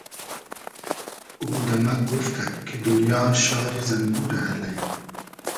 او دۂ مۂ گوفتئگ کی دونیا شاری زئمبورۂ الݷ